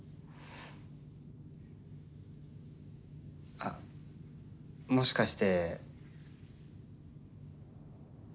あっもしかして。